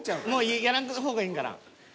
やらん方がいいんかな。